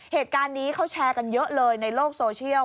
เหตุการณ์นี้เขาแชร์กันเยอะเลยในโลกโซเชียล